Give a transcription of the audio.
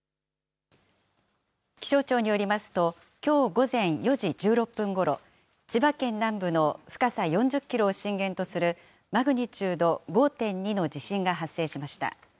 気象庁によりますと、きょう午前４時１６分ごろ、千葉県南部の深さ４０キロを震源とするマグニチュード５．２の地震が発生しました。